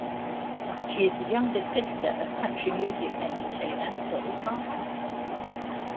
She is the younger sister of country music entertainer Dolly Parton.